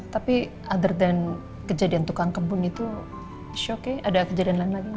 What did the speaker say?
tapi other than kejadian tukang kebun itu shoke ada kejadian lain lagi gak